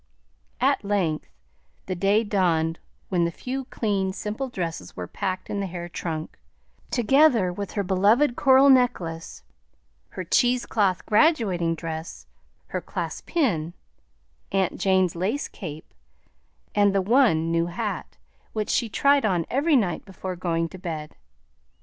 At length the day dawned when the few clean, simple dresses were packed in the hair trunk, together with her beloved coral necklace, her cheesecloth graduating dress, her class pin, aunt Jane's lace cape, and the one new hat, which she tried on every night before going to bed.